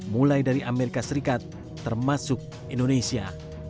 mulai dari amerika serikat termasuk indonesia